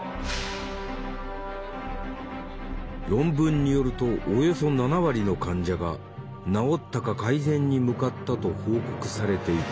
論文によるとおよそ７割の患者が治ったか改善に向かったと報告されていた。